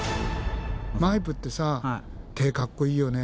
マイプってさ手かっこいいよね。